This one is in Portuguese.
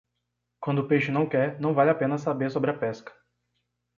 Quando o peixe não quer, não vale a pena saber sobre a pesca.